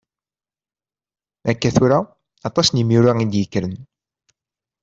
Akka tura, aṭas n yimyura i d-yekkren.